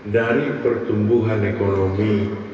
dari pertumbuhan ekonomi